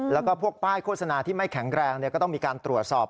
แล้วก็พวกป้ายโฆษณาที่ไม่แข็งแรงก็ต้องมีการตรวจสอบ